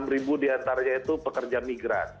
tiga puluh enam ribu di antaranya itu pekerja migran